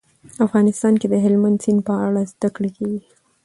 افغانستان کې د هلمند سیند په اړه زده کړه کېږي.